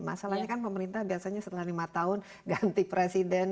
masalahnya kan pemerintah biasanya setelah lima tahun ganti presiden